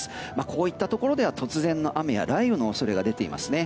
こういったところでは突然の雨や雷雨の恐れが出ていますね。